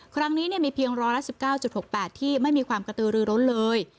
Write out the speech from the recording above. ครั้งนี้มีเพียงร้อยละ๑๙๖๘ที่ไม่มีความกระตือรือร้นเลย